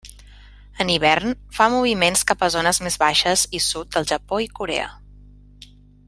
En hivern fa moviments cap a zones més baixes i sud del Japó i Corea.